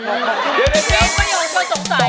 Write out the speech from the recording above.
เดี๋ยวไม่ยอมชอสงสัย